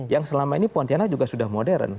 yang selama ini pontianak juga sudah modern